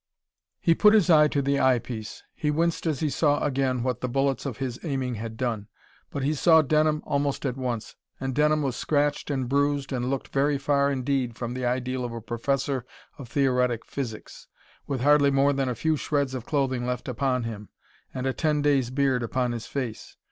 He put his eye to the eye piece. He winced as he saw again what the bullets of his aiming had done. But he saw Denham almost at once. And Denham was scratched and bruised and looked very far indeed from the ideal of a professor of theoretic physics, with hardly more than a few shreds of clothing left upon him, and a ten day's beard upon his face.